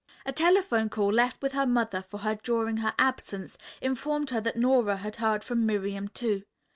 A telephone call left with her mother for her during her absence informed her that Nora had heard from Miriam, too.